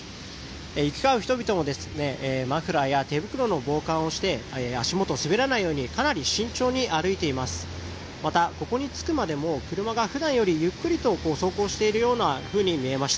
行き交う人々もマフラーや手袋の防寒をして、足元滑らないようにかなり慎重に歩いています。